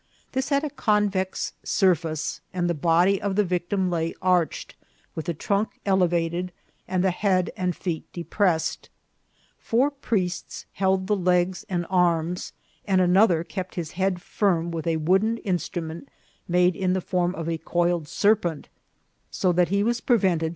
This had a convex surface, and the body of the victim lay arched, with the trunk elevated and the head and feet depressed. Four priests held the legs and arms, and another kept his head firm with a wooden instrument made in the form of a coiled serpent, so that he was prevented View of the Place of S»»rifi«* iitHuiru AT JUNTA <mTTK VK1.